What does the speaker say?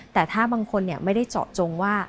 แต่ถ้าบางคนไม่ได้เจาะจงว่า